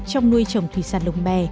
trong nuôi trồng thủy sản lồng bè